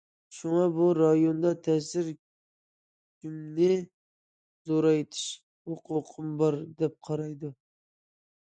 شۇڭا، بۇ رايوندا تەسىر كۈچۈمنى زورايتىش ھوقۇقۇم بار، دەپ قارايدۇ.